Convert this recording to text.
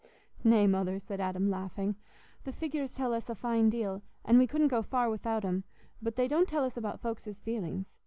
"Nay, Mother," said Adam, laughing, "the figures tell us a fine deal, and we couldn't go far without 'em, but they don't tell us about folks's feelings.